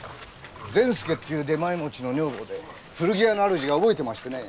善助っていう出前持ちの女房で古着屋の主が覚えてましてね。